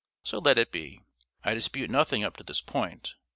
So let it be. I dispute nothing up to this point.